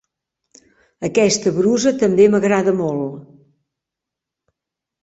Aquesta brusa també m'agrada molt.